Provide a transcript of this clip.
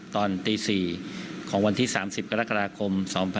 ตอนตี๔ของวันที่๓๐กรกฎาคม๒๕๖๒